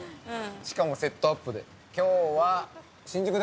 しかもセットアップで。